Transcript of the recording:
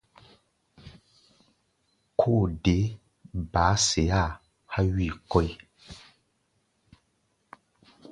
Kóo deé ba-sea há̧ wíi kɔ́ʼi.